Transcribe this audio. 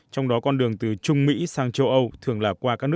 trong đó con đường từ trung mỹ sang châu âu